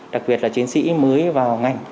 đặc biệt là chiến sĩ mới vào ngành